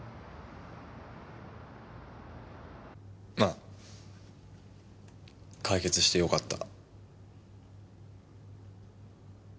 まあ解決してよかった。